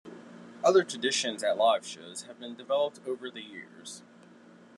Other traditions at live shows have been developed over the years.